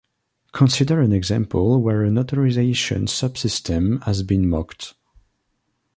Consider an example where an authorization sub-system has been mocked.